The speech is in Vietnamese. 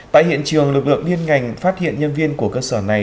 tại hiện trường lực lượng liên ngành phát hiện nhân viên của cơ sở này